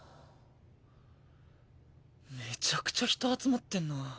めちゃくちゃ人集まってんな。